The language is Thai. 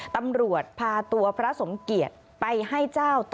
ตำรวจพาตัวพระสมเกียจไปให้เจ้าต่อ